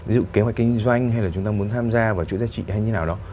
ví dụ kế hoạch kinh doanh hay là chúng ta muốn tham gia vào chuỗi giá trị hay như nào đó